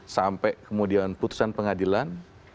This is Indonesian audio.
sampai kemudian putusan pengadilan